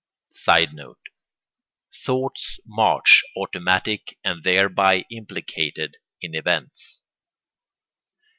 [Sidenote: Thought's march automatic and thereby implicated in events.